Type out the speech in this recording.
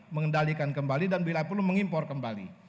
mengendalikan kembali dan bila perlu mengimpor kembali